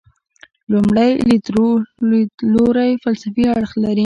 لومړی لیدلوری فلسفي اړخ لري.